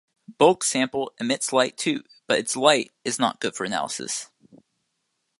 Bulk sample emits light too, but its light is not good for analysis.